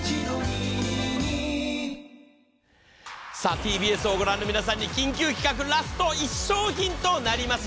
ＴＢＳを御覧の皆さんに緊急企画、ラスト１商品となります。